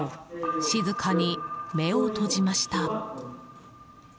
静かに目を閉じました。